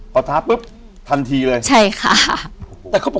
อยู่ที่แม่ศรีวิรัยิลครับ